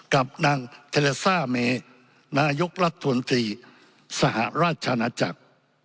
กับนางเทเลซ่าเมนายกรัฐมนตรีสหราชนาจักร